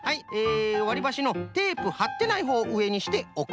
わりばしのテープはってないほうをうえにしておく。